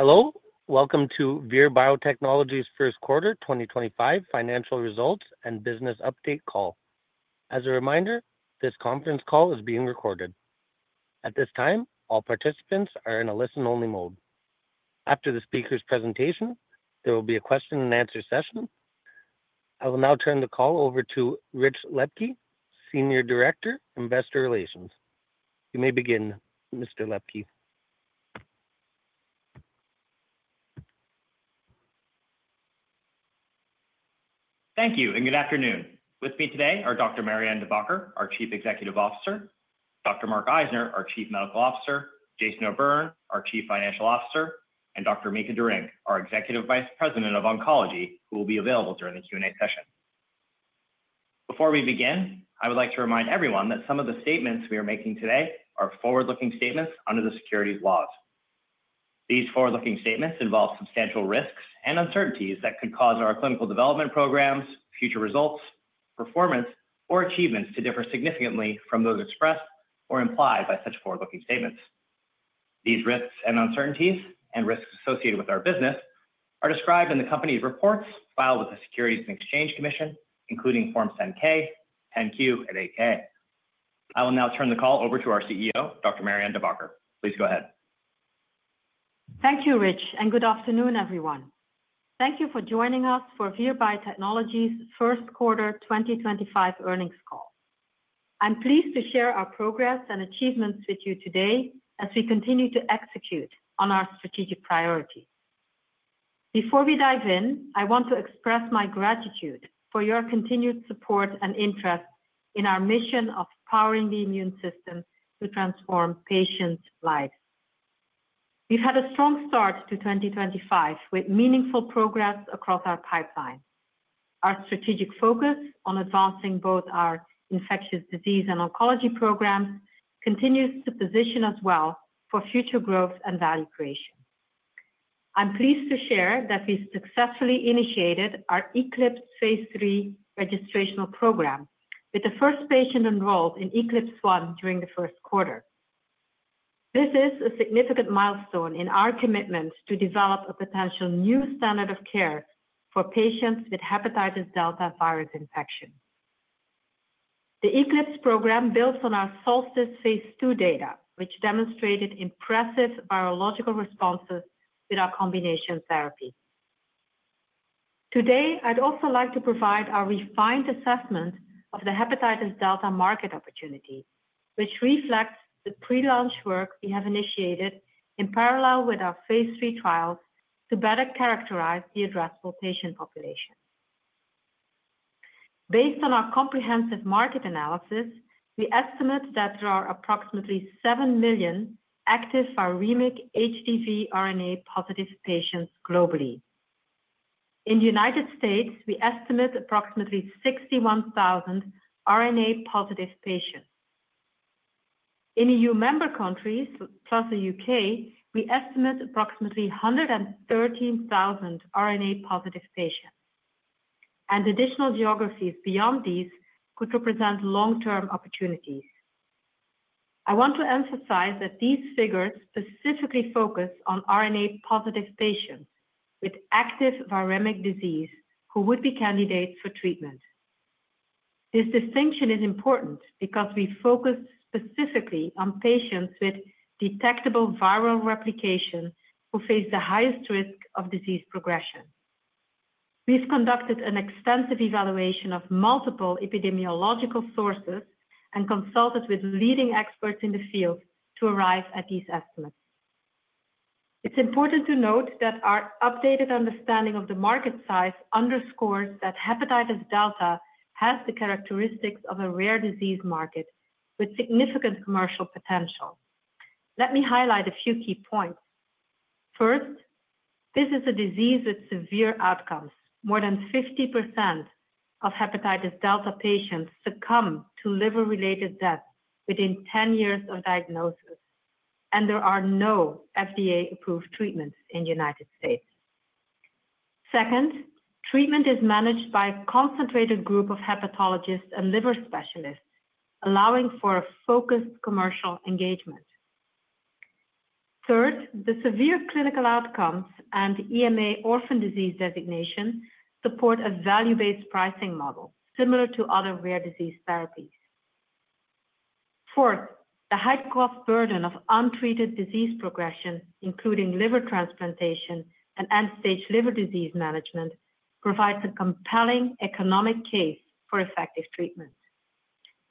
Hello. Welcome to Vir Biotechnology's first quarter 2025 financial results and business update call. As a reminder, this conference call is being recorded. At this time, all participants are in a listen-only mode. After the speaker's presentation, there will be a question-and-answer session. I will now turn the call over to Rich Lepke, Senior Director, Investor Relations. You may begin, Mr. Lepke. Thank you and good afternoon. With me today are Dr. Marianne De Backer, our Chief Executive Officer, Dr. Mark Eisner, our Chief Medical Officer, Jason O'Byrne, our Chief Financial Officer, and Dr. Mika Derynck, our Executive Vice President of Oncology, who will be available during the Q&A session. Before we begin, I would like to remind everyone that some of the statements we are making today are forward-looking statements under the securities laws. These forward-looking statements involve substantial risks and uncertainties that could cause our clinical development programs, future results, performance, or achievements to differ significantly from those expressed or implied by such forward-looking statements. These risks and uncertainties, and risks associated with our business, are described in the company's reports filed with the Securities and Exchange Commission, including Forms 10-K, 10-Q, and 8-K. I will now turn the call over to our CEO, Dr. Marianne De Backer. Please go ahead. Thank you, Rich, and good afternoon, everyone. Thank you for joining us for Vir Biotechnology's first quarter 2025 earnings call. I'm pleased to share our progress and achievements with you today as we continue to execute on our strategic priorities. Before we dive in, I want to express my gratitude for your continued support and interest in our mission of powering the immune system to transform patients' lives. We've had a strong start to 2025 with meaningful progress across our pipeline. Our strategic focus on advancing both our infectious disease and oncology programs continues to position us well for future growth and value creation. I'm pleased to share that we successfully initiated our ECLIPSE Phase 3 registration program with the first patient enrolled in ECLIPSE 1 during the first quarter. This is a significant milestone in our commitment to develop a potential new standard of care for patients with hepatitis delta virus infection. The ECLIPSE program builds on our SOLSTICE Phase 2 data, which demonstrated impressive virological responses with our combination therapy. Today, I'd also like to provide a refined assessment of the hepatitis delta market opportunity, which reflects the pre-launch work we have initiated in parallel with our Phase 3 trials to better characterize the addressable patient population. Based on our comprehensive market analysis, we estimate that there are approximately 7 million active viremic HDV RNA-positive patients globally. In the U.S., we estimate approximately 61,000 RNA-positive patients. In EU member countries, plus the U.K., we estimate approximately 113,000 RNA-positive patients. Additional geographies beyond these could represent long-term opportunities. I want to emphasize that these figures specifically focus on RNA-positive patients with active viremic disease who would be candidates for treatment. This distinction is important because we focus specifically on patients with detectable viral replication who face the highest risk of disease progression. We've conducted an extensive evaluation of multiple epidemiological sources and consulted with leading experts in the field to arrive at these estimates. It's important to note that our updated understanding of the market size underscores that hepatitis delta has the characteristics of a rare disease market with significant commercial potential. Let me highlight a few key points. First, this is a disease with severe outcomes. More than 50% of hepatitis delta patients succumb to liver-related death within 10 years of diagnosis, and there are no FDA-approved treatments in the United States. Second, treatment is managed by a concentrated group of hepatologists and liver specialists, allowing for a focused commercial engagement. Third, the severe clinical outcomes and EMA orphan disease designation support a value-based pricing model similar to other rare disease therapies. Fourth, the high-cost burden of untreated disease progression, including liver transplantation and end-stage liver disease management, provides a compelling economic case for effective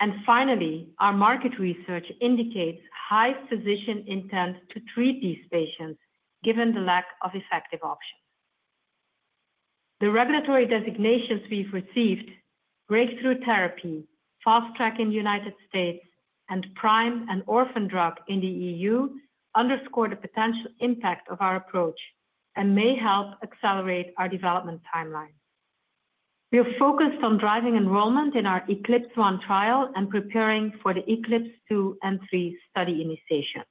treatment. Finally, our market research indicates high physician intent to treat these patients given the lack of effective options. The regulatory designations we've received—breakthrough therapy, fast track in the United States, and prime and orphan drug in the EU—underscore the potential impact of our approach and may help accelerate our development timeline. We are focused on driving enrollment in our ECLIPSE 1 trial and preparing for the ECLIPSE 2 and 3 study initiation.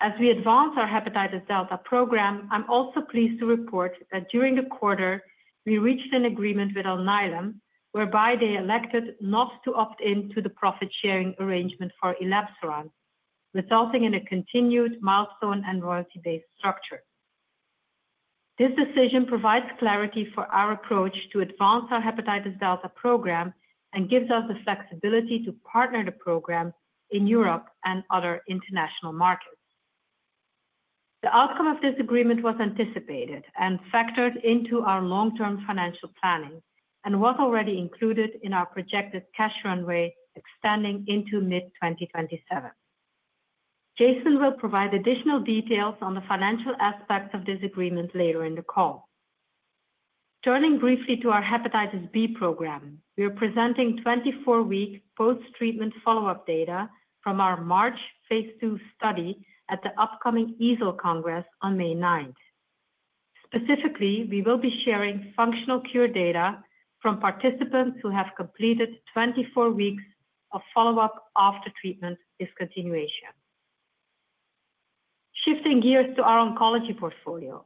As we advance our hepatitis delta program, I'm also pleased to report that during the quarter, we reached an agreement with Alnylam whereby they elected not to opt into the profit-sharing arrangement for elebsiran, resulting in a continued milestone and royalty-based structure. This decision provides clarity for our approach to advance our hepatitis delta program and gives us the flexibility to partner the program in Europe and other international markets. The outcome of this agreement was anticipated and factored into our long-term financial planning and was already included in our projected cash runway extending into mid-2027. Jason will provide additional details on the financial aspects of this agreement later in the call. Turning briefly to our hepatitis B program, we are presenting 24-week post-treatment follow-up data from our MARCH Phase 2 study at the upcoming EASL Congress on May 9th. Specifically, we will be sharing functional cure data from participants who have completed 24 weeks of follow-up after treatment discontinuation. Shifting gears to our oncology portfolio,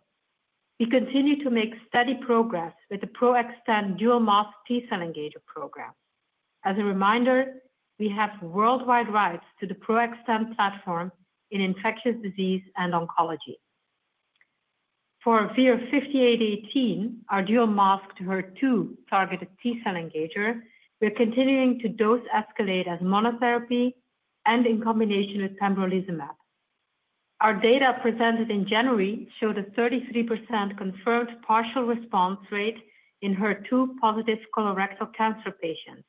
we continue to make steady progress with the PRO-XTEN dual-masked T-cell engager program. As a reminder, we have worldwide rights to the PRO-XTEN platform in infectious disease and oncology. For VIR-5818, our dual-masked HER2 targeted T-cell engager, we're continuing to dose escalate as monotherapy and in combination with pembrolizumab. Our data presented in January showed a 33% confirmed partial response rate in HER2-positive colorectal cancer patients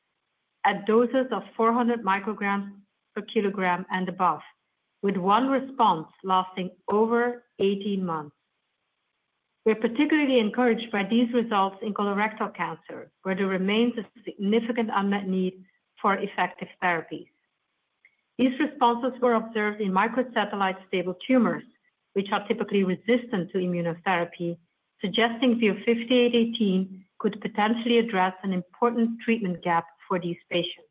at doses of 400 micrograms per kilogram and above, with one response lasting over 18 months. We're particularly encouraged by these results in colorectal cancer, where there remains a significant unmet need for effective therapies. These responses were observed in microsatellite stable tumors, which are typically resistant to immunotherapy, suggesting VIR-5818 could potentially address an important treatment gap for these patients.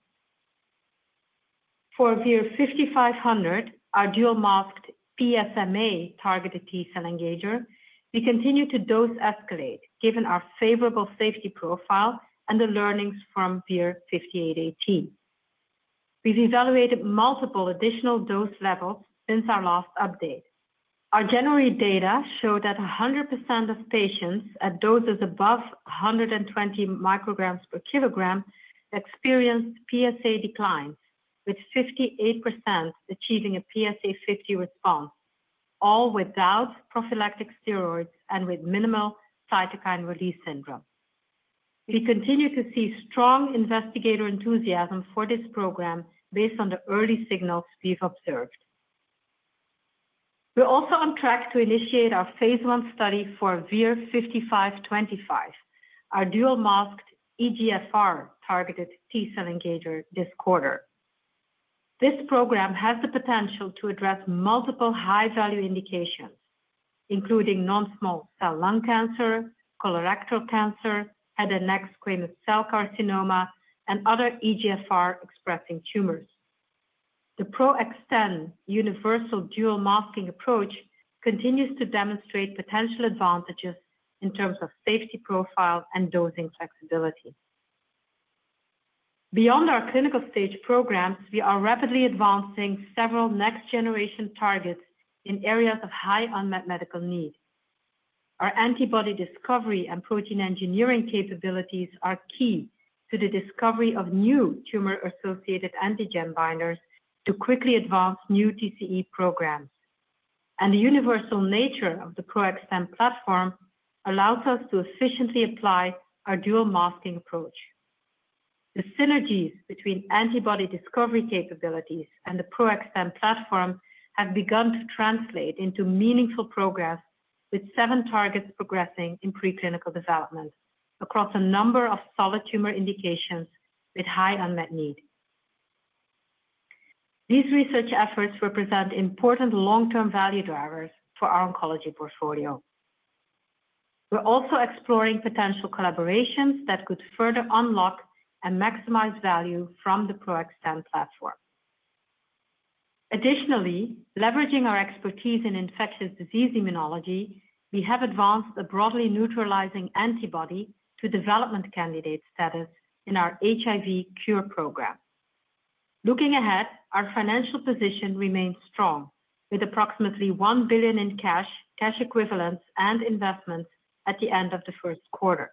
For VIR-5500, our dual-masked PSMA targeted T-cell engager, we continue to dose escalate given our favorable safety profile and the learnings from VIR-5818. We've evaluated multiple additional dose levels since our last update. Our January data showed that 100% of patients at doses above 120 micrograms per kilogram experienced PSA declines, with 58% achieving a PSA50 response, all without prophylactic steroids and with minimal cytokine release syndrome. We continue to see strong investigator enthusiasm for this program based on the early signals we've observed. We're also on track to initiate our Phase 1 study for VIR-5525, our dual-masked EGFR targeted T-cell engager this quarter. This program has the potential to address multiple high-value indications, including non-small cell lung cancer, colorectal cancer, head and neck squamous cell carcinoma, and other EGFR-expressing tumors. The Pro-XTEN universal dual-masking approach continues to demonstrate potential advantages in terms of safety profile and dosing flexibility. Beyond our clinical stage programs, we are rapidly advancing several next-generation targets in areas of high unmet medical need. Our antibody discovery and protein engineering capabilities are key to the discovery of new tumor-associated antigen binders to quickly advance new TCE programs. The universal nature of the Pro-XTEN platform allows us to efficiently apply our dual-masking approach. The synergies between antibody discovery capabilities and the Pro-XTEN platform have begun to translate into meaningful progress, with seven targets progressing in preclinical development across a number of solid tumor indications with high unmet need. These research efforts represent important long-term value drivers for our oncology portfolio. We're also exploring potential collaborations that could further unlock and maximize value from the Pro-XTEN platform. Additionally, leveraging our expertise in infectious disease immunology, we have advanced a broadly neutralizing antibody to development candidate status in our HIV cure program. Looking ahead, our financial position remains strong, with approximately $1 billion in cash, cash equivalents, and investments at the end of the first quarter.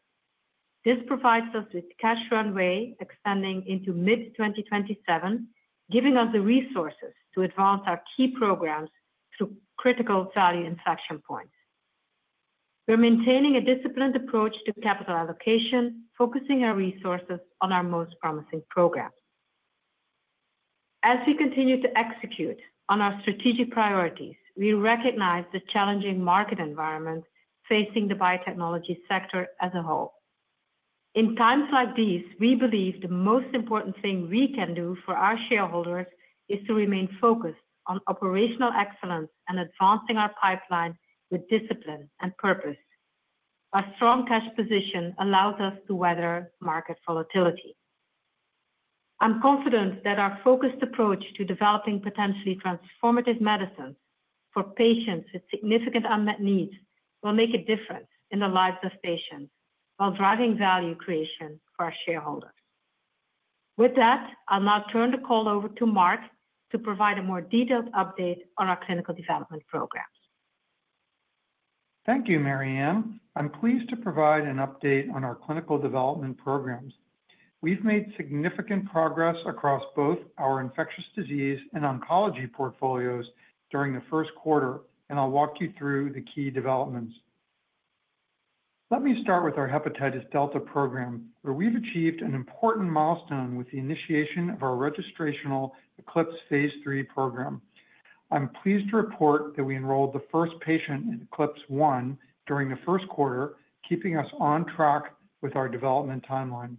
This provides us with cash runway extending into mid-2027, giving us the resources to advance our key programs through critical value inflection points. We're maintaining a disciplined approach to capital allocation, focusing our resources on our most promising programs. As we continue to execute on our strategic priorities, we recognize the challenging market environment facing the biotechnology sector as a whole. In times like these, we believe the most important thing we can do for our shareholders is to remain focused on operational excellence and advancing our pipeline with discipline and purpose. Our strong cash position allows us to weather market volatility. I'm confident that our focused approach to developing potentially transformative medicines for patients with significant unmet needs will make a difference in the lives of patients while driving value creation for our shareholders. With that, I'll now turn the call over to Mark to provide a more detailed update on our clinical development programs. Thank you, Marianne. I'm pleased to provide an update on our clinical development programs. We've made significant progress across both our infectious disease and oncology portfolios during the first quarter, and I'll walk you through the key developments. Let me start with our hepatitis delta program, where we've achieved an important milestone with the initiation of our registrational ECLIPSE Phase 3 program. I'm pleased to report that we enrolled the first patient in ECLIPSE 1 during the first quarter, keeping us on track with our development timeline.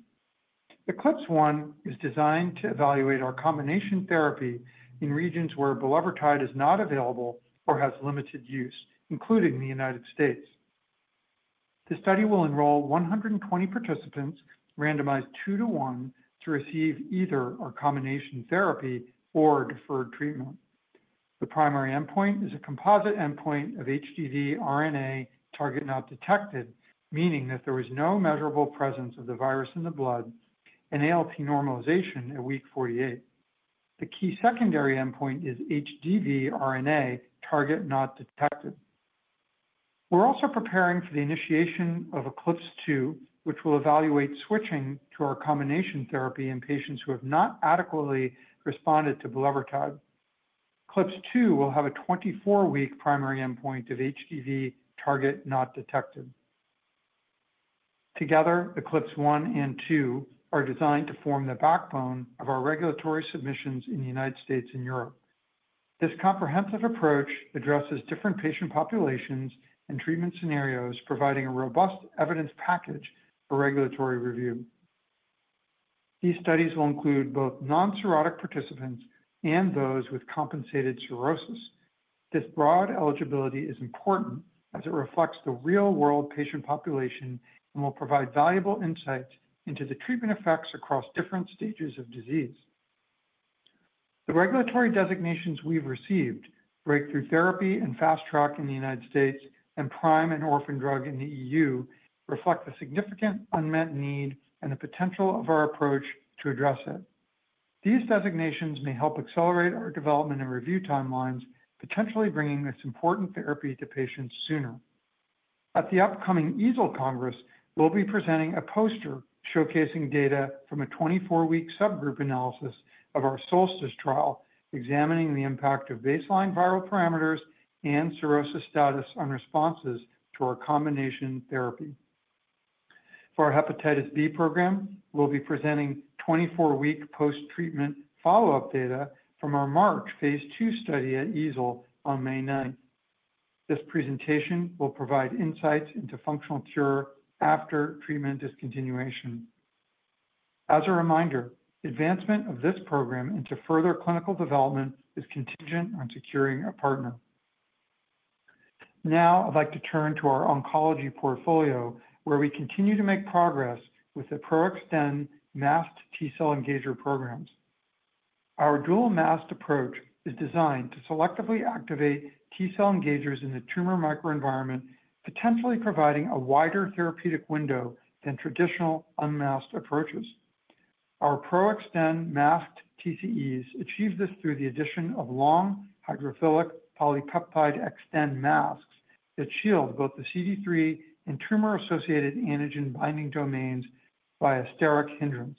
ECLIPSE 1 is designed to evaluate our combination therapy in regions where bulevirtide is not available or has limited use, including the United States. The study will enroll 120 participants randomized 2-to-1 to receive either our combination therapy or deferred treatment. The primary endpoint is a composite endpoint of HDV RNA target not detected, meaning that there was no measurable presence of the virus in the blood and ALT normalization at week 48. The key secondary endpoint is HDV RNA target not detected. We're also preparing for the initiation of ECLIPSE 2, which will evaluate switching to our combination therapy in patients who have not adequately responded to bulevirtide. ECLIPSE 2 will have a 24-week primary endpoint of HDV target not detected. Together, ECLIPSE 1 and 2 are designed to form the backbone of our regulatory submissions in the United States and Europe. This comprehensive approach addresses different patient populations and treatment scenarios, providing a robust evidence package for regulatory review. These studies will include both non-cirrhotic participants and those with compensated cirrhosis. This broad eligibility is important as it reflects the real-world patient population and will provide valuable insights into the treatment effects across different stages of disease. The regulatory designations we've received, breakthrough therapy and fast track in the United States, and prime and orphan drug in the EU, reflect the significant unmet need and the potential of our approach to address it. These designations may help accelerate our development and review timelines, potentially bringing this important therapy to patients sooner. At the upcoming EASL Congress, we'll be presenting a poster showcasing data from a 24-week subgroup analysis of our SOLSTICE trial, examining the impact of baseline viral parameters and cirrhosis status on responses to our combination therapy. For our hepatitis B program, we'll be presenting 24-week post-treatment follow-up data from our MARCH Phase 2 study at EASL on May 9. This presentation will provide insights into functional cure after treatment discontinuation. As a reminder, advancement of this program into further clinical development is contingent on securing a partner. Now, I'd like to turn to our oncology portfolio, where we continue to make progress with the Pro-XTEN masked T-cell engager programs. Our dual-masked approach is designed to selectively activate T-cell engagers in the tumor microenvironment, potentially providing a wider therapeutic window than traditional unmasked approaches. Our Pro-XTEN masked TCEs achieve this through the addition of long hydrophilic polypeptide XTEN masks that shield both the CD3 and tumor-associated antigen binding domains by steric hindrance.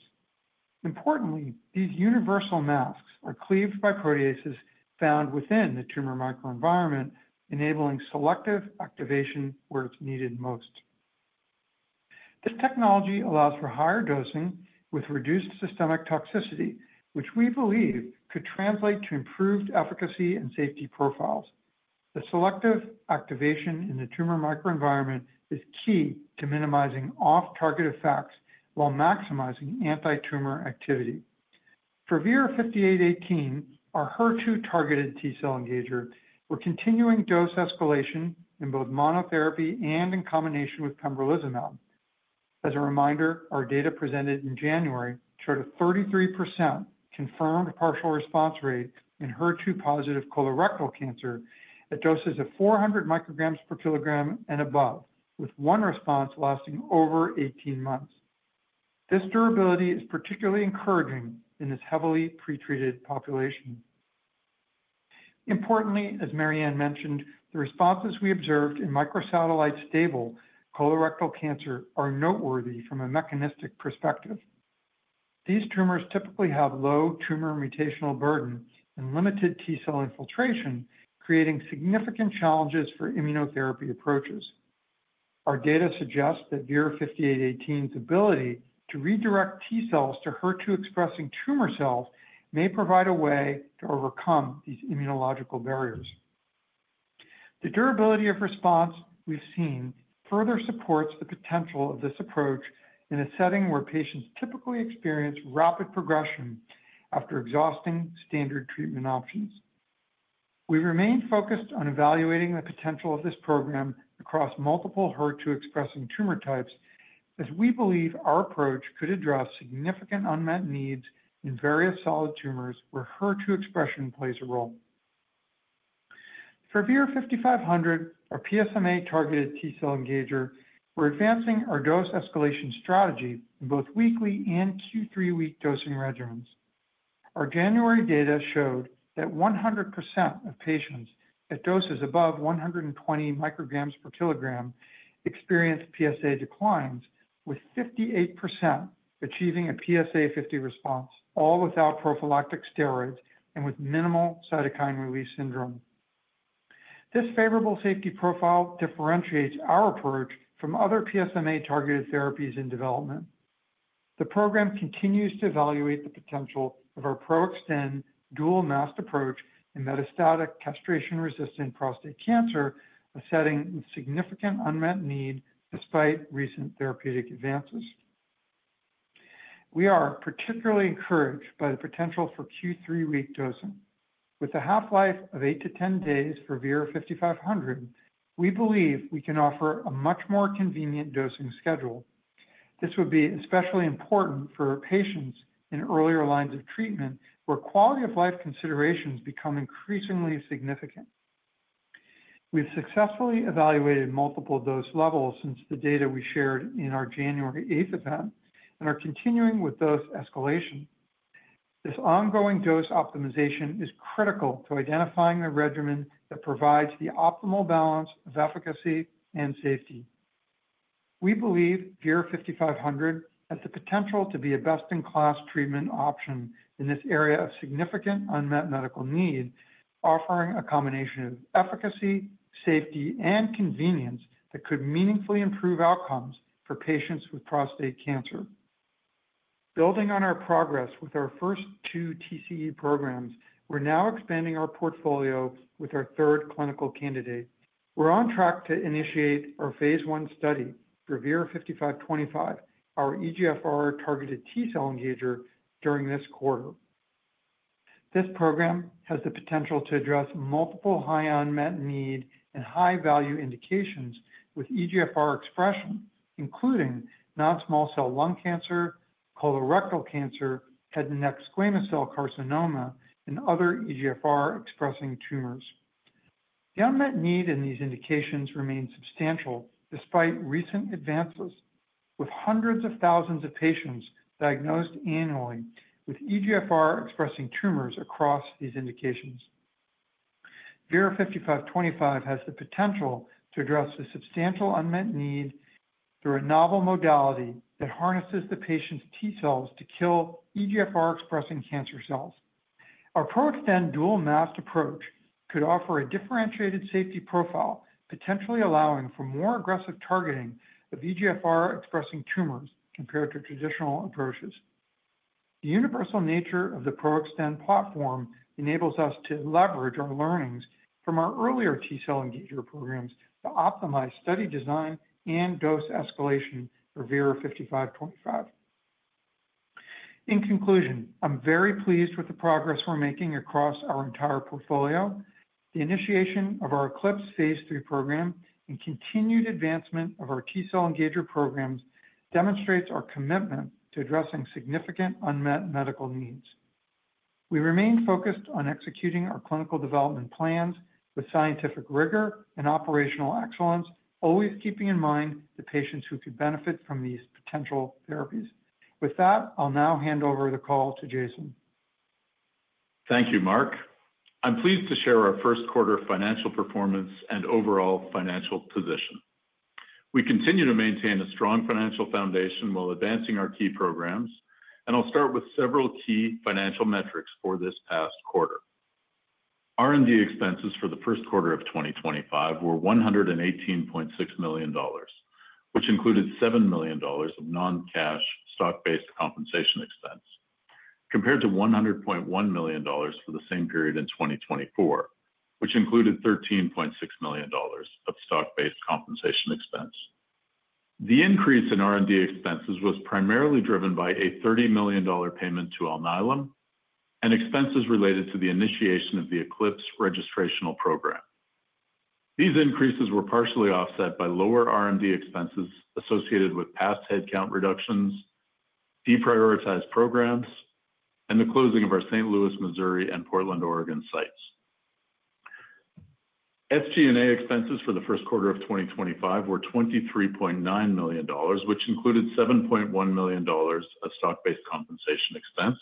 Importantly, these universal masks are cleaved by proteases found within the tumor microenvironment, enabling selective activation where it's needed most. This technology allows for higher dosing with reduced systemic toxicity, which we believe could translate to improved efficacy and safety profiles. The selective activation in the tumor microenvironment is key to minimizing off-target effects while maximizing anti-tumor activity. For VIR-5818, our HER2-targeted T-cell engager, we're continuing dose escalation in both monotherapy and in combination with pembrolizumab. As a reminder, our data presented in January showed a 33% confirmed partial response rate in HER2-positive colorectal cancer at doses of 400 micrograms per kilogram and above, with one response lasting over 18 months. This durability is particularly encouraging in this heavily pretreated population. Importantly, as Marianne mentioned, the responses we observed in microsatellite stable colorectal cancer are noteworthy from a mechanistic perspective. These tumors typically have low tumor mutational burden and limited T-cell infiltration, creating significant challenges for immunotherapy approaches. Our data suggest that VIR-5818's ability to redirect T-cells to HER2-expressing tumor cells may provide a way to overcome these immunological barriers. The durability of response we've seen further supports the potential of this approach in a setting where patients typically experience rapid progression after exhausting standard treatment options. We remain focused on evaluating the potential of this program across multiple HER2-expressing tumor types, as we believe our approach could address significant unmet needs in various solid tumors where HER2 expression plays a role. For VIR-5500, our PSMA-targeted T-cell engager, we're advancing our dose escalation strategy in both weekly and Q3-week dosing regimens. Our January data showed that 100% of patients at doses above 120 micrograms per kilogram experienced PSA declines, with 58% achieving a PSA50 response, all without prophylactic steroids and with minimal cytokine release syndrome. This favorable safety profile differentiates our approach from other PSMA-targeted therapies in development. The program continues to evaluate the potential of our Pro-XTEN dual-masked approach in metastatic castration-resistant prostate cancer, a setting with significant unmet need despite recent therapeutic advances. We are particularly encouraged by the potential for Q3-week dosing. With a half-life of 8-10 days for VIR-5500, we believe we can offer a much more convenient dosing schedule. This would be especially important for patients in earlier lines of treatment where quality-of-life considerations become increasingly significant. We've successfully evaluated multiple dose levels since the data we shared in our January 8 event and are continuing with dose escalation. This ongoing dose optimization is critical to identifying the regimen that provides the optimal balance of efficacy and safety. We believe VIR-5500 has the potential to be a best-in-class treatment option in this area of significant unmet medical need, offering a combination of efficacy, safety, and convenience that could meaningfully improve outcomes for patients with prostate cancer. Building on our progress with our first two TCE programs, we're now expanding our portfolio with our third clinical candidate. We're on track to initiate our Phase 1 study for VIR-5525, our EGFR-targeted T-cell engager, during this quarter. This program has the potential to address multiple high unmet need and high-value indications with EGFR expression, including non-small cell lung cancer, colorectal cancer, head and neck squamous cell carcinoma, and other EGFR-expressing tumors. The unmet need in these indications remains substantial despite recent advances, with hundreds of thousands of patients diagnosed annually with EGFR-expressing tumors across these indications. VIR-5525 has the potential to address the substantial unmet need through a novel modality that harnesses the patient's T-cells to kill EGFR-expressing cancer cells. Our PRO-XTEN dual-masked approach could offer a differentiated safety profile, potentially allowing for more aggressive targeting of EGFR-expressing tumors compared to traditional approaches. The universal nature of the PRO-XTEN platform enables us to leverage our learnings from our earlier T-cell engager programs to optimize study design and dose escalation for VIR-5525. In conclusion, I'm very pleased with the progress we're making across our entire portfolio. The initiation of our ECLIPSE Phase 3 program and continued advancement of our T-cell engager programs demonstrates our commitment to addressing significant unmet medical needs. We remain focused on executing our clinical development plans with scientific rigor and operational excellence, always keeping in mind the patients who could benefit from these potential therapies. With that, I'll now hand over the call to Jason. Thank you, Mark. I'm pleased to share our first quarter financial performance and overall financial position. We continue to maintain a strong financial foundation while advancing our key programs, and I'll start with several key financial metrics for this past quarter. R&D expenses for the first quarter of 2025 were $118.6 million, which included $7 million of noncash stock-based compensation expense, compared to $100.1 million for the same period in 2024, which included $13.6 million of stock-based compensation expense. The increase in R&D expenses was primarily driven by a $30 million payment to Alnylam and expenses related to the initiation of the ECLIPSE registrational program. These increases were partially offset by lower R&D expenses associated with past headcount reductions, deprioritized programs, and the closing of our St. Louis, Missouri, and Portland, Oregon sites. SG&A expenses for the first quarter of 2025 were $23.9 million, which included $7.1 million of stock-based compensation expense,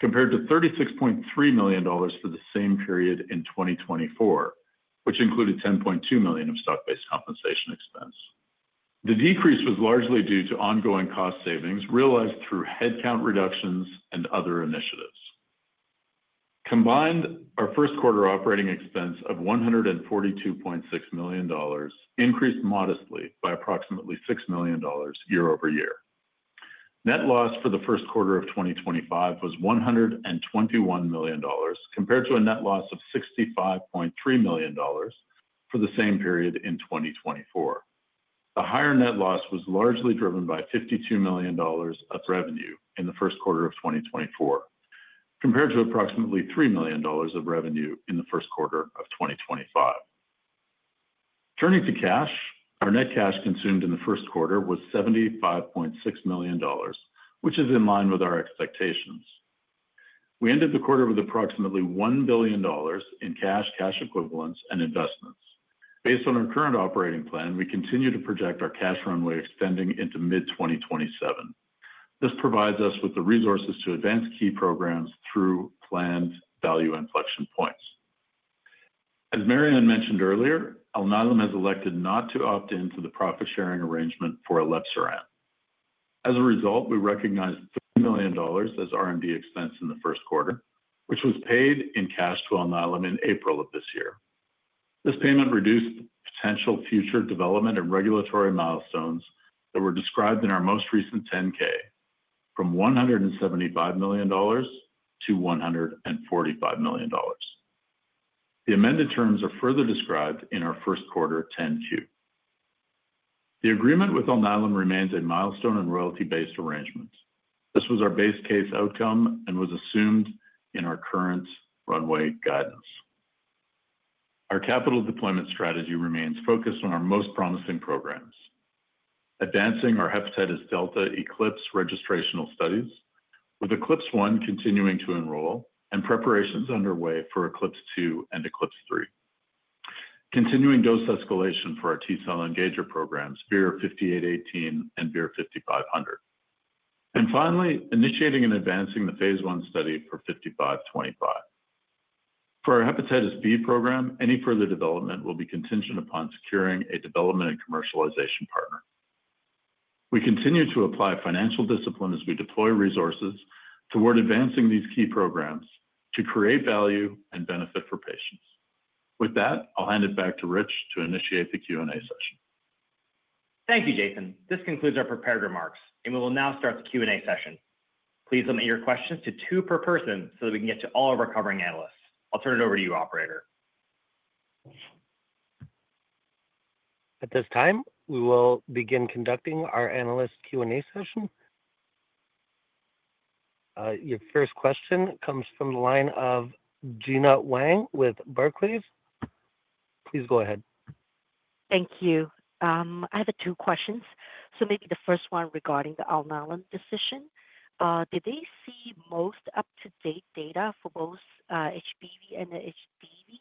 compared to $36.3 million for the same period in 2024, which included $10.2 million of stock-based compensation expense. The decrease was largely due to ongoing cost savings realized through headcount reductions and other initiatives. Combined, our first quarter operating expense of $142.6 million increased modestly by approximately $6 million year-over-year. Net loss for the first quarter of 2025 was $121 million, compared to a net loss of $65.3 million for the same period in 2024. The higher net loss was largely driven by $52 million of revenue in the first quarter of 2024, compared to approximately $3 million of revenue in the first quarter of 2025. Turning to cash, our net cash consumed in the first quarter was $75.6 million, which is in line with our expectations. We ended the quarter with approximately $1 billion in cash, cash equivalents, and investments. Based on our current operating plan, we continue to project our cash runway extending into mid-2027. This provides us with the resources to advance key programs through planned value inflection points. As Marianne mentioned earlier, Alnylam has elected not to opt into the profit-sharing arrangement for elebsiran. As a result, we recognized $3 million as R&D expense in the first quarter, which was paid in cash to Alnylam in April of this year. This payment reduced potential future development and regulatory milestones that were described in our most recent 10-K from $175 million to $145 million. The amended terms are further described in our first quarter 10-Q. The agreement with Alnylam remains a milestone and royalty-based arrangement. This was our base case outcome and was assumed in our current runway guidance. Our capital deployment strategy remains focused on our most promising programs, advancing our hepatitis delta ECLIPSE registrational studies, with ECLIPSE 1 continuing to enroll and preparations underway for ECLIPSE 2 and ECLIPSE 3. Continuing dose escalation for our T-cell engager programs, VIR-5818 and VIR-5500. Finally, initiating and advancing the Phase 1 study for VIR-5525. For our hepatitis B program, any further development will be contingent upon securing a development and commercialization partner. We continue to apply financial discipline as we deploy resources toward advancing these key programs to create value and benefit for patients. With that, I'll hand it back to Rich to initiate the Q&A session. Thank you, Jason. This concludes our prepared remarks, and we will now start the Q&A session. Please limit your questions to two per person so that we can get to all of our covering analysts. I'll turn it over to you, Operator. At this time, we will begin conducting our analyst Q&A session. Your first question comes from the line of Gena Wang with Barclays. Please go ahead. Thank you. I have two questions. So maybe the first one regarding the Alnylam decision. Did they see most up-to-date data for both HBV and the HDV?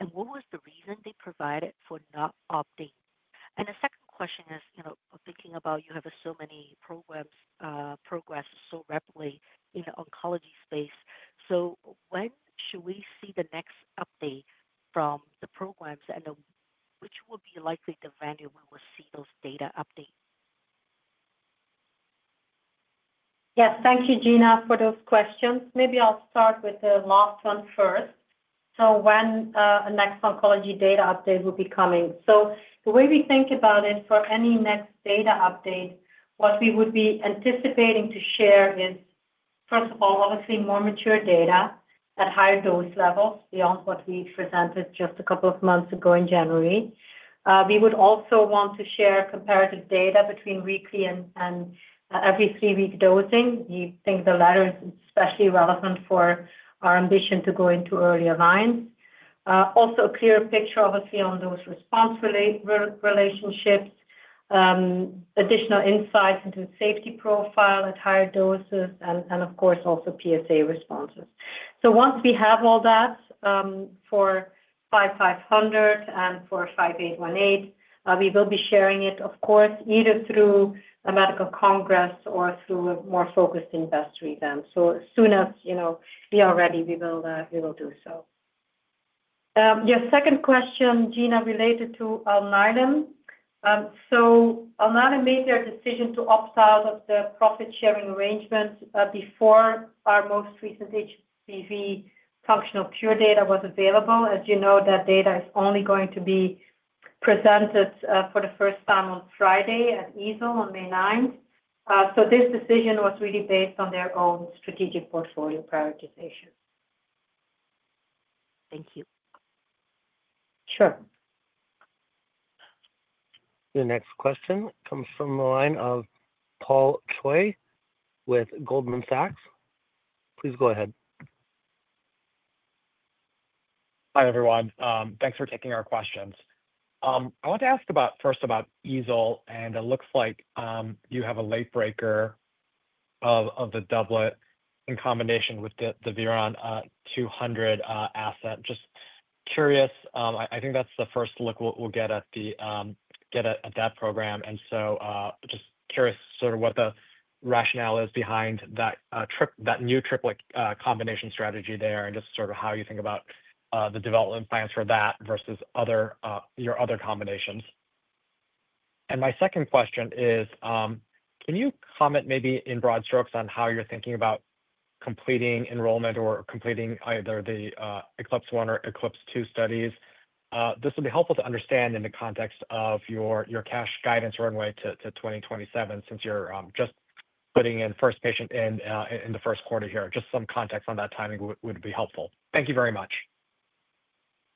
And what was the reason they provided for not updating? And the second question is, you know, thinking about you have so many programs progress so rapidly in the oncology space. When should we see the next update from the programs and which will be likely the venue we will see those data update? Yes, thank you, Gena, for those questions. Maybe I'll start with the last one first. When the next oncology data update will be coming? The way we think about it for any next data update, what we would be anticipating to share is, first of all, obviously more mature data at higher dose levels beyond what we presented just a couple of months ago in January. We would also want to share comparative data between weekly and every 3-week dosing. We think the latter is especially relevant for our ambition to go into earlier lines. Also, a clearer picture, obviously, on those response relationships, additional insights into the safety profile at higher doses, and of course, also PSA responses. Once we have all that for 5500 and for 5818, we will be sharing it, of course, either through a medical congress or through a more focused investor event. As soon as, you know, we are ready, we will do so. Your second question, Gena, related to Alnylam. Alnylam made their decision to opt out of the profit-sharing arrangement before our most recent HBV functional cure data was available. As you know, that data is only going to be presented for the first time on Friday at EASL on May 9th. This decision was really based on their own strategic portfolio prioritization. Thank you. Sure. The next question comes from the line of Paul Choi with Goldman Sachs. Please go ahead. Hi, everyone. Thanks for taking our questions. I want to ask first about EASL, and it looks like you have a late breaker of the doublet in combination with the Virion 200 asset. Just curious, I think that's the first look we'll get at that program. Just curious sort of what the rationale is behind that new triplet combination strategy there and just sort of how you think about the development plans for that versus your other combinations. My second question is, can you comment maybe in broad strokes on how you're thinking about completing enrollment or completing either the ECLIPSE 1 or ECLIPSE 2 studies? This will be helpful to understand in the context of your cash guidance runway to 2027 since you're just putting in first patient in the first quarter here. Just some context on that timing would be helpful. Thank you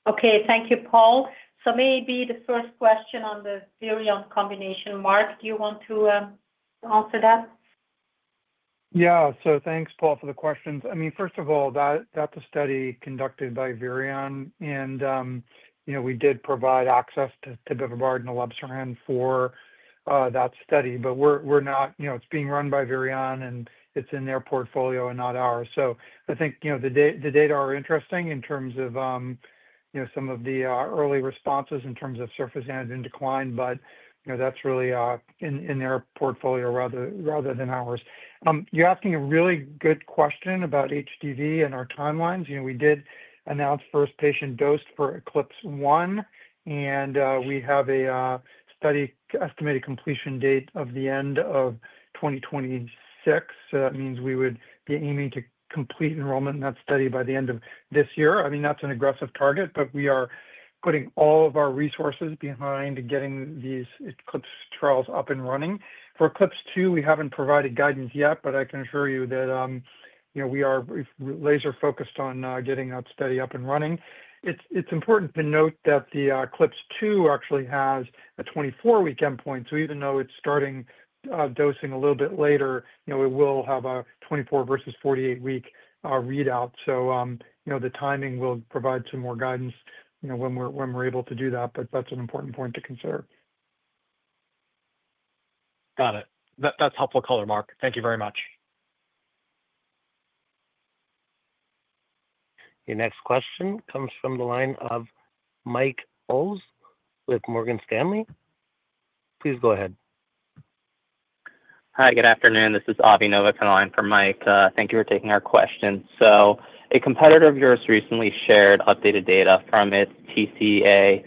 very much. Okay, thank you, Paul. Maybe the first question on the Virion combination, Mark, do you want to answer that? Yeah, thanks, Paul, for the questions. I mean, first of all, that's a study conducted by Virion, and you know we did provide access to bulevirtide and elebsiran for that study, but we're not, you know, it's being run by Virion and it's in their portfolio and not ours. I think, you know, the data are interesting in terms of, you know, some of the early responses in terms of surface antigen decline, but you know that's really in their portfolio rather than ours. You're asking a really good question about HDV and our timelines. You know, we did announce first patient dose for ECLIPSE 1, and we have a study estimated completion date of the end of 2026. That means we would be aiming to complete enrollment in that study by the end of this year. I mean, that's an aggressive target, but we are putting all of our resources behind getting these ECLIPSE trials up and running. For ECLIPSE 2, we haven't provided guidance yet, but I can assure you that, you know, we are laser-focused on getting that study up and running. It's important to note that the ECLIPSE 2 actually has a 24-week endpoint. Even though it's starting dosing a little bit later, you know, it will have a 24 versus 48-week readout. The timing will provide some more guidance, you know, when we're able to do that, but that's an important point to consider. Got it. That's helpful color, Mark. Thank you very much. Your next question comes from the line of Mike Ulz with Morgan Stanley. Please go ahead. Hi, good afternoon. This is Avi Nova on the line for Mike. Thank you for taking our questions. A competitor of yours recently shared updated data from its TCE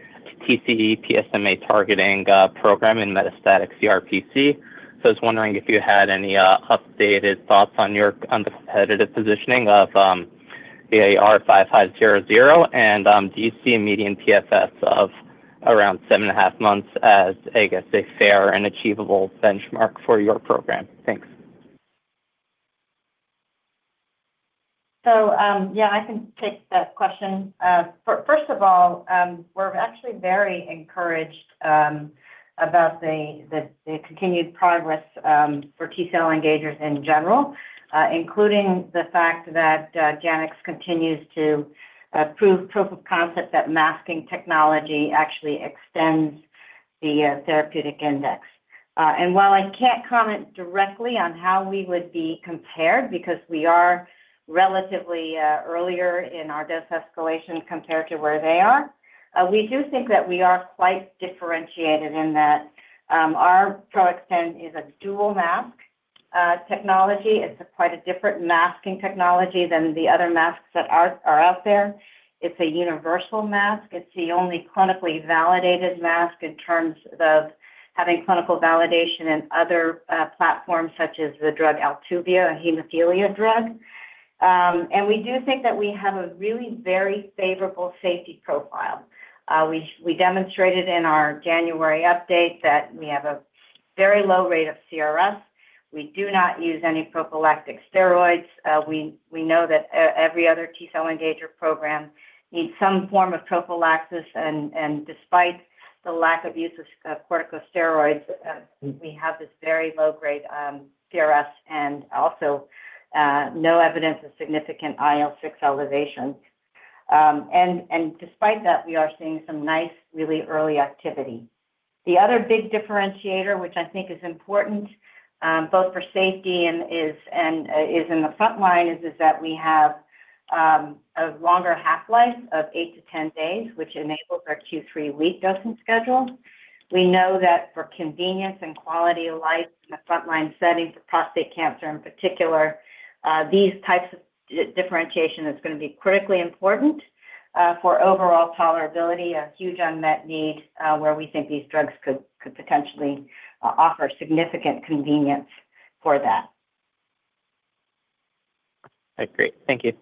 PSMA targeting program in metastatic CRPC. I was wondering if you had any updated thoughts on the competitive positioning of the VIR-5500, and do you see a median PFS of around seven and a half months as, I guess, a fair and achievable benchmark for your program? Thanks. Yeah, I can take that question. First of all, we're actually very encouraged about the continued progress for T-cell engagers in general, including the fact that JANX continues to prove proof-of-concept that masking technology actually extends the therapeutic index. While I can't comment directly on how we would be compared, because we are relatively earlier in our dose escalation compared to where they are, we do think that we are quite differentiated in that our PRO-XTEN is a dual mask technology. It's quite a different masking technology than the other masks that are out there. It's a universal mask. It's the only clinically validated mask in terms of having clinical validation in other platforms such as the drug Altuvia, a hemophilia drug. We do think that we have a really very favorable safety profile. We demonstrated in our January update that we have a very low rate of CRS. We do not use any prophylactic steroids. We know that every other T-cell engager program needs some form of prophylaxis. Despite the lack of use of corticosteroids, we have this very low-grade CRS and also no evidence of significant IL-6 elevation. Despite that, we are seeing some nice, really early activity. The other big differentiator, which I think is important both for safety and is in the front line, is that we have a longer half-life of eight to 10 days, which enables our Q3 week dosing schedule. We know that for convenience and quality of life in the front line setting for prostate cancer in particular, these types of differentiation is going to be critically important for overall tolerability, a huge unmet need where we think these drugs could potentially offer significant convenience for that. Okay, great. Thank you.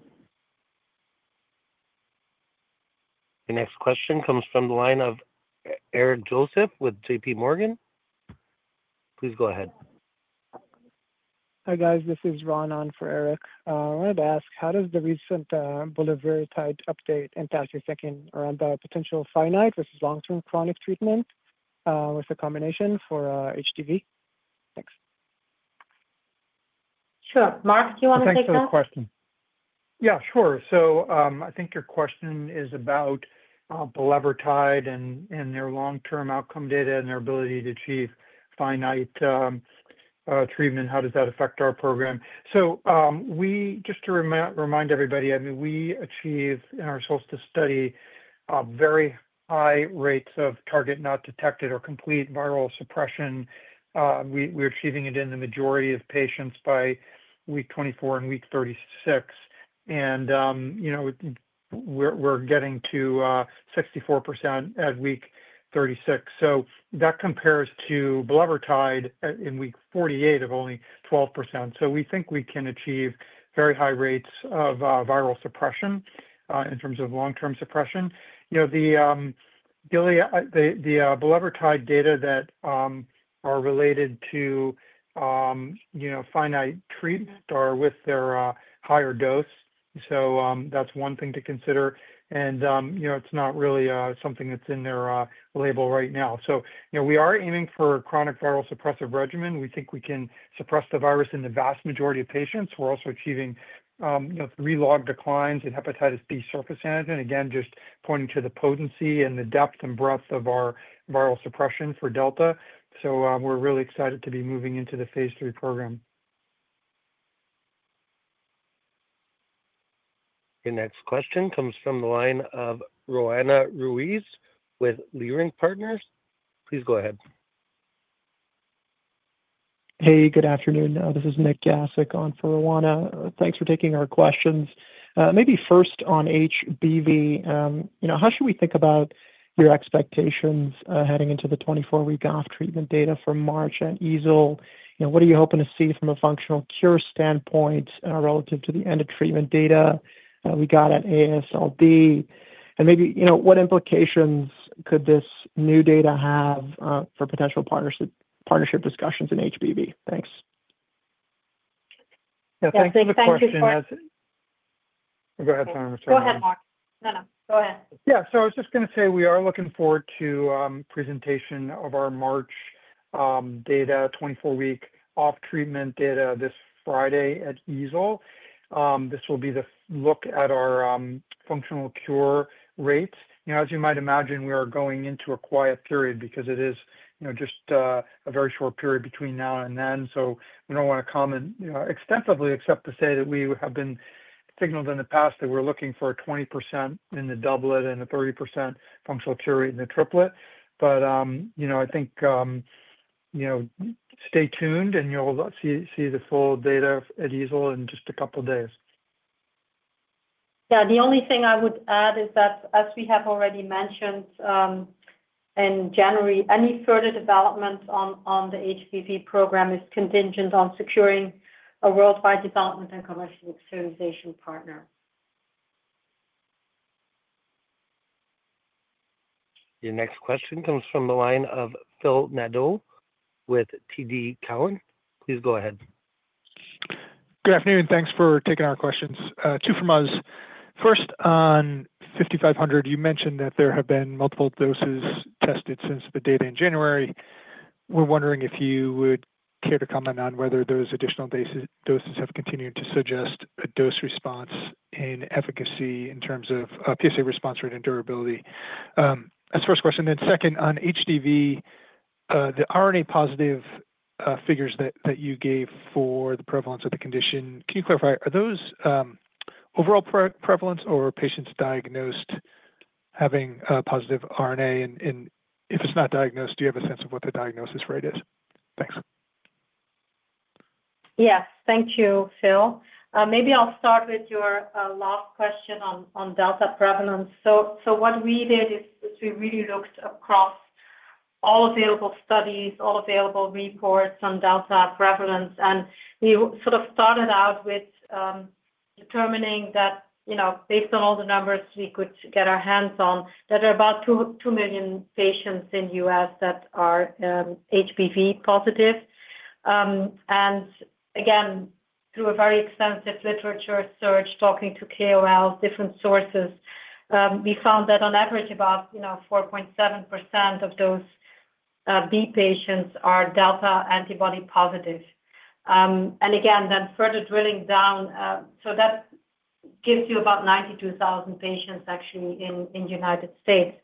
Your next question comes from the line of Eric Joseph with JPMorgan. Please go ahead. Hi guys, this is Ron on for Eric. I wanted to ask, how does the recent bulevirtide update in 2020 around the potential finite versus long-term chronic treatment with the combination for HDV? Thanks. Sure. Mark, do you want to take that? Thanks for the question. Yeah, sure. I think your question is about bulevirtide and their long-term outcome data and their ability to achieve finite treatment. How does that affect our program? Just to remind everybody, I mean, we achieve in our SOLSTICE study very high rates of target not detected or complete viral suppression. We're achieving it in the majority of patients by week 24 and week 36. You know, we're getting to 64% at week 36. That compares to bulevirtide in week 48 of only 12%. We think we can achieve very high rates of viral suppression in terms of long-term suppression. The bulevirtide data that are related to finite treatment are with their higher dose. That's one thing to consider. You know, it's not really something that's in their label right now. So, you know, we are aiming for a chronic viral suppressive regimen. We think we can suppress the virus in the vast majority of patients. We're also achieving, you know, three log declines in hepatitis B surface antigen, again, just pointing to the potency and the depth and breadth of our viral suppression for delta. We are really excited to be moving into the Phase 3 program. Your next question comes from the line of Roanna Ruiz with Leerink Partners. Please go ahead. Hey, good afternoon. This is Nik Gasic on for Roanna. Thanks for taking our questions. Maybe first on HBV, you know, how should we think about your expectations heading into the 24-week off treatment data for March at EASL? You know, what are you hoping to see from a functional cure standpoint relative to the end of treatment data we got at AASLD? Maybe, you know, what implications could this new data have for potential partnership discussions in HBV? Thanks. Thanks for the question. Go ahead, sorry. Go ahead, Mark. No, no. Go ahead. Yeah, I was just going to say we are looking forward to the presentation of our March data, 24-week off-treatment data this Friday at EASL. This will be the look at our functional cure rates. You know, as you might imagine, we are going into a quiet period because it is, you know, just a very short period between now and then. We do not want to comment extensively except to say that we have been signaled in the past that we are looking for a 20% in the doublet and a 30% functional cure rate in the triplet. You know, I think, you know, stay tuned and you'll see the full data at EASL in just a couple of days. Yeah, the only thing I would add is that, as we have already mentioned in January, any further development on the HBV program is contingent on securing a worldwide development and commercial experience partner. Your next question comes from the line of Phil Nadeau with TD Cowen. Please go ahead. Good afternoon. Thanks for taking our questions. Two from us. First, on 5500, you mentioned that there have been multiple doses tested since the data in January. We're wondering if you would care to comment on whether those additional doses have continued to suggest a dose response in efficacy in terms of PSA response rate and durability. That's the first question. Second, on HDV, the RNA positive figures that you gave for the prevalence of the condition, can you clarify, are those overall prevalence or patients diagnosed having positive RNA? If it's not diagnosed, do you have a sense of what the diagnosis rate is? Thanks. Yes, thank you, Phil. Maybe I'll start with your last question on delta prevalence. What we did is we really looked across all available studies, all available reports on delta prevalence. We sort of started out with determining that, you know, based on all the numbers we could get our hands on, there are about 2 million patients in the U.S. that are HBV positive. Again, through a very extensive literature search, talking to KOLs, different sources, we found that on average about, you know, 4.7% of those B patients are delta antibody positive. Again, then further drilling down, that gives you about 92,000 patients actually in the United States.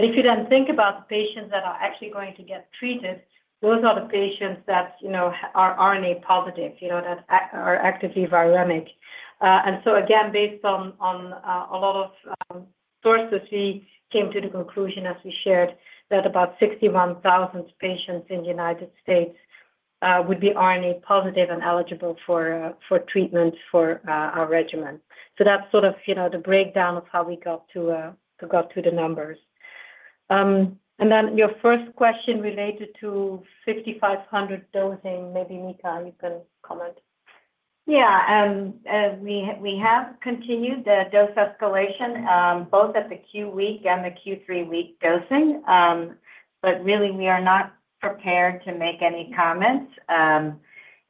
If you then think about the patients that are actually going to get treated, those are the patients that, you know, are RNA positive, you know, that are actively viremic. Again, based on a lot of sources, we came to the conclusion, as we shared, that about 61,000 patients in the United States would be RNA positive and eligible for treatment for our regimen. That is sort of, you know, the breakdown of how we got to the numbers. Your first question related to 5500 dosing, maybe Mika, you can comment. Yeah, we have continued the dose escalation both at the Q week and the Q3 week dosing. Really, we are not prepared to make any comments.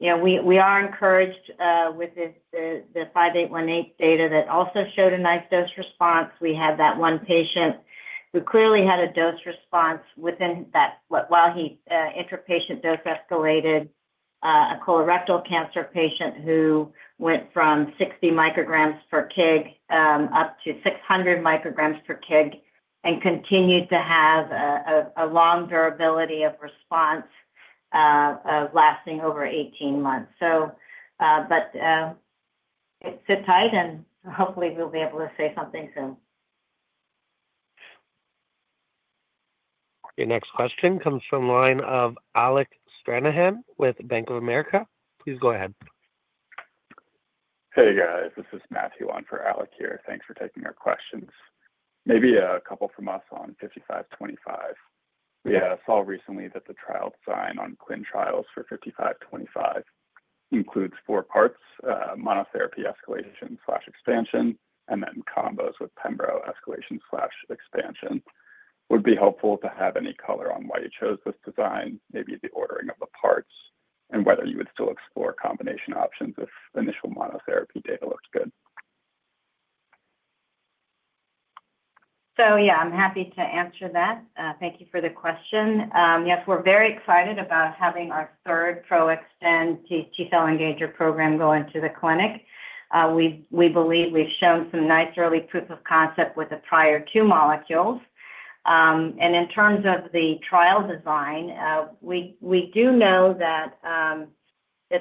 You know, we are encouraged with the 5818 data that also showed a nice dose response. We had that one patient who clearly had a dose response within that while he interpatient dose escalated, a colorectal cancer patient who went from 60 micrograms per kg up to 600 micrograms per kg and continued to have a long durability of response lasting over 18 months. It's tight and hopefully we'll be able to say something soon. Your next question comes from the line of Alec Stranahan with Bank of America. Please go ahead. Hey guys, this is Matthew on for Alec here. Thanks for taking our questions. Maybe a couple from us on 5525. We saw recently that the trial design on clin trials for 5525 includes four parts: monotherapy escalation/expansion, and then combos with pembro escalation/expansion. Would be helpful to have any color on why you chose this design, maybe the ordering of the parts, and whether you would still explore combination options if initial monotherapy data looked good. Yeah, I'm happy to answer that. Thank you for the question. Yes, we're very excited about having our third Pro-XTEN T-cell engager program go into the clinic. We believe we've shown some nice early proof of concept with the prior two molecules. In terms of the trial design, we do know that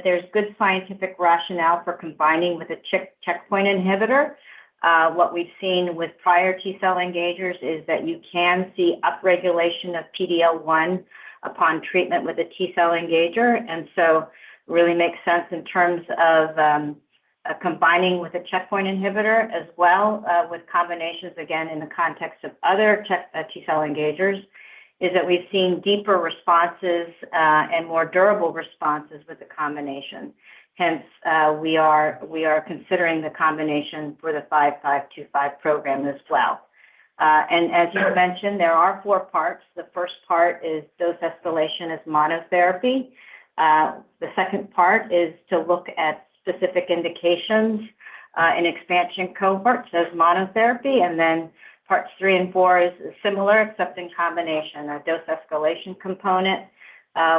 there's good scientific rationale for combining with a checkpoint inhibitor. What we've seen with prior T-cell engagers is that you can see upregulation of PD-L1 upon treatment with a T-cell engager. It really makes sense in terms of combining with a checkpoint inhibitor as well with combinations, again, in the context of other T-cell engagers, is that we've seen deeper responses and more durable responses with the combination. Hence, we are considering the combination for the 5525 program as well. As you mentioned, there are four parts. The first part is dose escalation as monotherapy. The second part is to look at specific indications in expansion cohorts as monotherapy. Parts three and four are similar, except in combination, a dose escalation component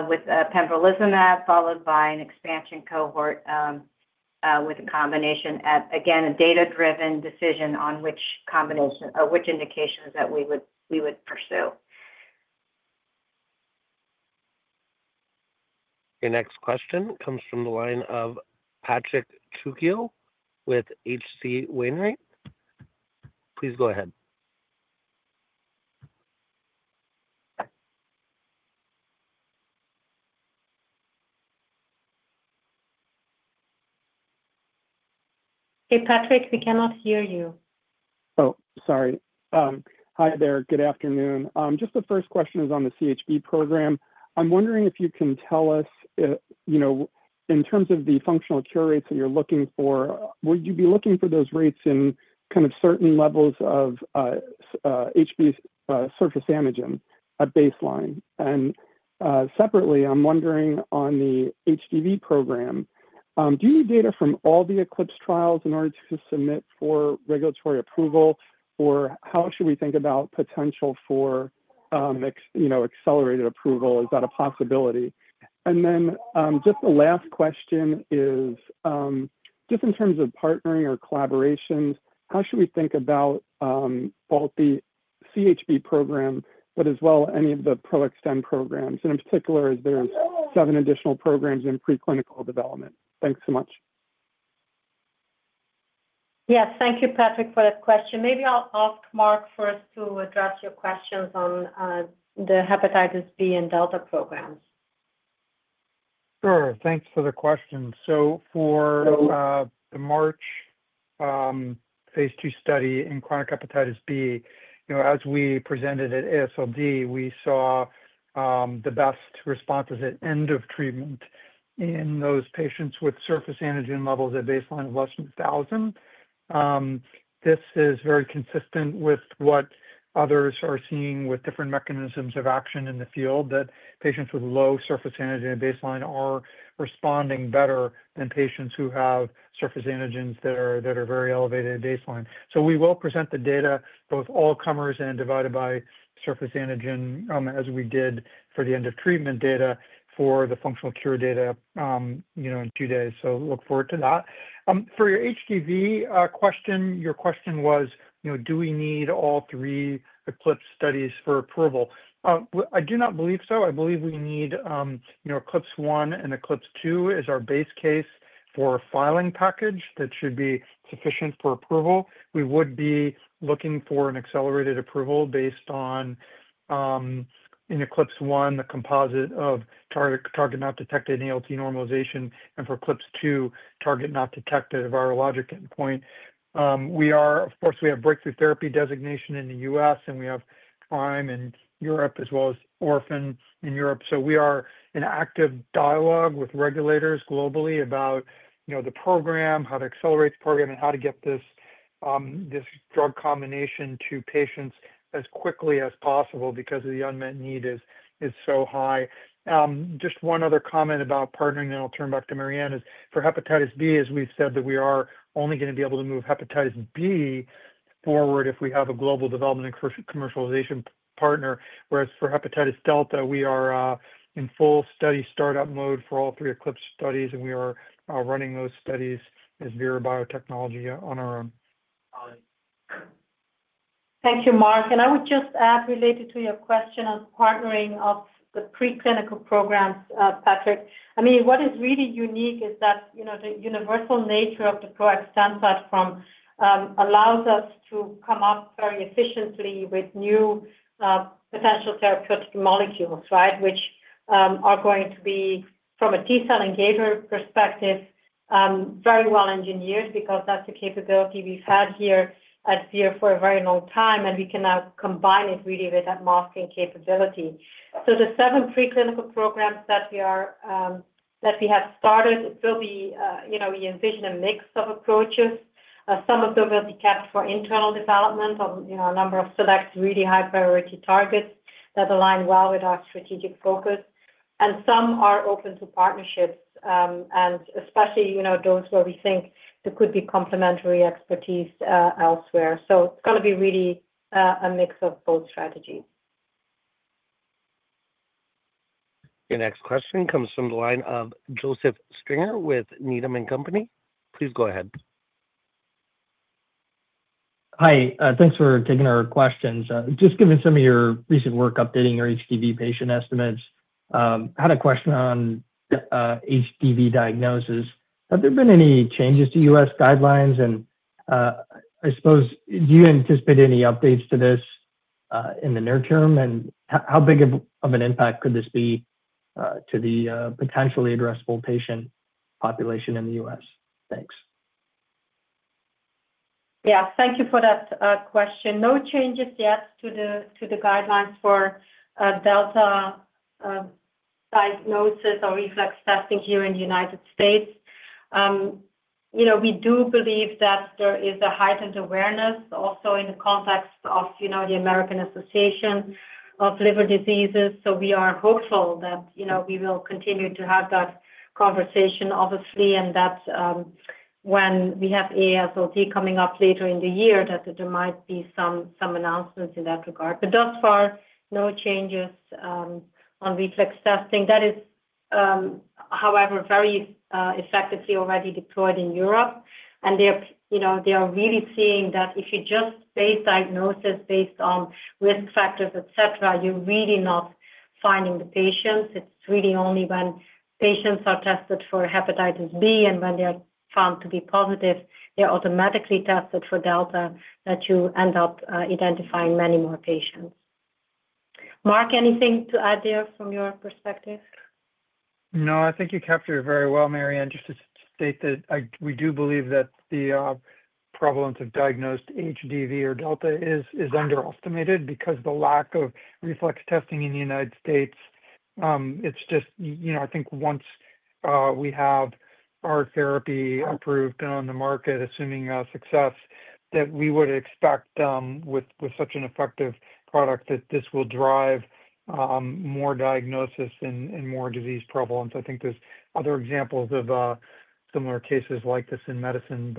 with pembrolizumab followed by an expansion cohort with a combination at, again, a data-driven decision on which indications that we would pursue. Your next question comes from the line of Patrick Trucchio with H.C. Wainwright. Please go ahead. Hey Patrick, we cannot hear you. Oh, sorry. Hi there. Good afternoon. Just the first question is on the CHB program. I'm wondering if you can tell us, you know, in terms of the functional cure rates that you're looking for, would you be looking for those rates in kind of certain levels of HB surface antigen at baseline? Separately, I'm wondering on the HDV program, do you need data from all the ECLIPSE trials in order to submit for regulatory approval, or how should we think about potential for, you know, accelerated approval? Is that a possibility? Just the last question is, just in terms of partnering or collaborations, how should we think about both the CHB program, but as well any of the Pro-XTEN programs? In particular, as there are seven additional programs in preclinical development. Thanks so much. Yes, thank you Patrick for that question. Maybe I'll ask Mark first to address your questions on the hepatitis B and delta programs. Sure. Thanks for the question. So for the MARCH Phase 2 study in chronic hepatitis B, you know, as we presented at AASLD, we saw the best responses at end of treatment in those patients with surface antigen levels at baseline of less than 1,000. This is very consistent with what others are seeing with different mechanisms of action in the field, that patients with low surface antigen at baseline are responding better than patients who have surface antigens that are very elevated at baseline. We will present the data, both all comers and divided by surface antigen, as we did for the end of treatment data for the functional cure data, you know, in two days. Look forward to that. For your HDV question, your question was, you know, do we need all three ECLIPSE studies for approval? I do not believe so. I believe we need, you know, ECLIPSE 1 and ECLIPSE 2 as our base case for a filing package that should be sufficient for approval. We would be looking for an accelerated approval based on in ECLIPSE 1, the composite of target not detected ALT normalization, and for ECLIPSE 2, target not detected virologic endpoint. We are, of course, we have breakthrough therapy designation in the U.S., and we have Prime in Europe, as well as orphan in Europe. We are in active dialogue with regulators globally about, you know, the program, how to accelerate the program, and how to get this drug combination to patients as quickly as possible because the unmet need is so high. Just one other comment about partnering, and I'll turn back to Marianne, is for hepatitis B, as we've said that we are only going to be able to move hepatitis B forward if we have a global development and commercialization partner, whereas for hepatitis delta, we are in full study startup mode for all three ECLIPSE studies, and we are running those studies as Vir Biotechnology on our own. Thank you, Mark. I would just add related to your question on partnering of the preclinical programs, Patrick. I mean, what is really unique is that, you know, the universal nature of the Pro-XTEN platform allows us to come up very efficiently with new potential therapeutic molecules, right, which are going to be, from a T-cell engager perspective, very well engineered because that's the capability we've had here at Vir for a very long time, and we can now combine it really with that masking capability. The seven preclinical programs that we have started, it will be, you know, we envision a mix of approaches. Some of them will be kept for internal development, you know, a number of select really high priority targets that align well with our strategic focus. Some are open to partnerships, and especially, you know, those where we think there could be complementary expertise elsewhere. It is going to be really a mix of both strategies. Your next question comes from the line of Joseph Stringer with Needham & Company. Please go ahead. Hi. Thanks for taking our questions. Just given some of your recent work updating your HDV patient estimates, had a question on HDV diagnosis. Have there been any changes to U.S. guidelines? I suppose, do you anticipate any updates to this in the near term? How big of an impact could this be to the potentially addressable patient population in the U.S.? Thanks. Yeah, thank you for that question. No changes yet to the guidelines for delta diagnosis or reflex testing here in the United States. You know, we do believe that there is a heightened awareness also in the context of, you know, the American Association of Liver Diseases. We are hopeful that, you know, we will continue to have that conversation, obviously, and that when we have AASLD coming up later in the year, there might be some announcements in that regard. Thus far, no changes on reflex testing. That is, however, very effectively already deployed in Europe. They are, you know, really seeing that if you just base diagnosis on risk factors, etc., you are really not finding the patients. It is really only when patients are tested for hepatitis B and when they are found to be positive, they are automatically tested for delta that you end up identifying many more patients. Mark, anything to add there from your perspective? No, I think you captured it very well, Marianne. Just to state that we do believe that the prevalence of diagnosed HDV or delta is underestimated because of the lack of reflex testing in the United States, it's just, you know, I think once we have our therapy approved and on the market, assuming success, that we would expect with such an effective product that this will drive more diagnosis and more disease prevalence. I think there are other examples of similar cases like this in medicine.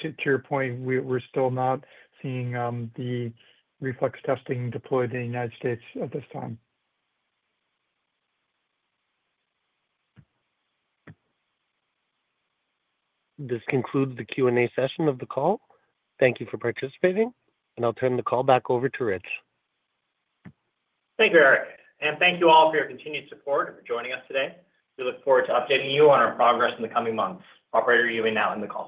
To your point, we're still not seeing the reflex testing deployed in the United States at this time. This concludes the Q&A session of the call. Thank you for participating. I'll turn the call back over to Rich. Thank you, Eric. Thank you all for your continued support and for joining us today. We look forward to updating you on our progress in the coming months. Operator, you may now end the call.